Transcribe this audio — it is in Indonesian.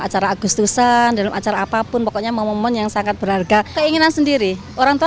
acara agustusan dalam acara apapun pokoknya momen yang sangat berharga keinginan sendiri orangtua